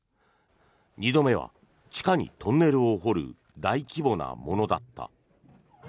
２度目は地下にトンネルを掘る大規模なものだった。